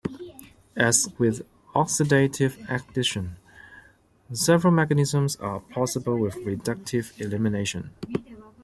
As with oxidative addition, several mechanisms are possible with reductive elimination.